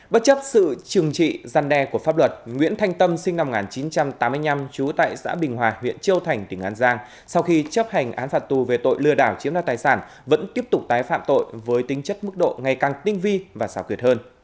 bất chấp sự trừng trị gian đe của pháp luật nguyễn thanh tâm sinh năm một nghìn chín trăm tám mươi năm trú tại xã bình hòa huyện châu thành tỉnh an giang sau khi chấp hành án phạt tù về tội lừa đảo chiếm đoạt tài sản vẫn tiếp tục tái phạm tội với tính chất mức độ ngày càng tinh vi và xào quyệt hơn